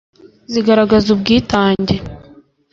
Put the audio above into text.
zigaragaza ubwitange